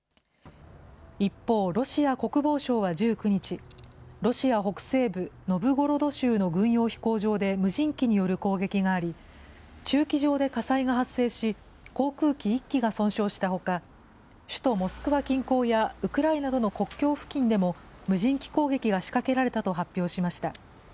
一方、ロシア国防省は１９日、ロシア北西部ノブゴロド州の軍用飛行場で無人機による攻撃があり、駐機場で火災が発生し、航空機１機が損傷したほか、首都モスクワ近郊やウクライナとの国境付近でも無人機攻撃が仕掛けられたと発表しました。